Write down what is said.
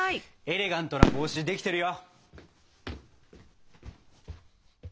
エレガントな帽子できてるよ！